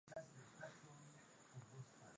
a kusababisha vifo vya watu thelathini na watano